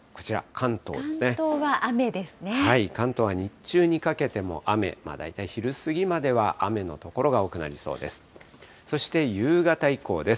関東は日中にかけても雨、大体昼過ぎまでは雨の所が多くなりそうです。